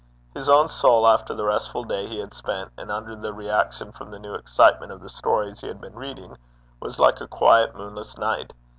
His own soul, after the restful day he had spent, and under the reaction from the new excitement of the stories he had been reading, was like a quiet, moonless night.